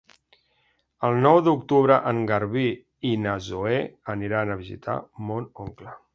El nou d'octubre en Garbí i na Zoè aniran a visitar mon oncle.